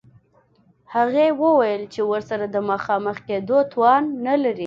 هغې وویل چې ورسره د مخامخ کېدو توان نلري